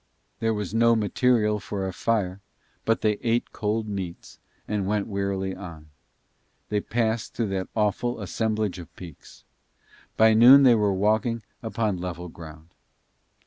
There was no material for a fire but they ate cold meats, and went wearily on. They passed through that awful assemblage of peaks. By noon they were walking upon level ground.